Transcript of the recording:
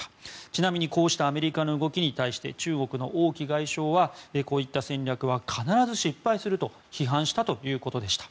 ちなみにこうしたアメリカの動きに対して中国の王毅外相はこういった戦略は必ず失敗すると批判したということでした。